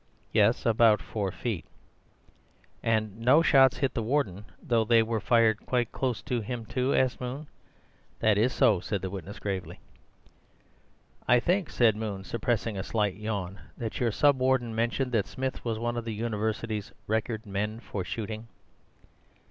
"Yes; about four feet." "And no shots hit the Warden, though they were fired quite close to him too?" asked Moon. "That is so," said the witness gravely. "I think," said Moon, suppressing a slight yawn, "that your Sub Warden mentioned that Smith was one of the University's record men for shooting."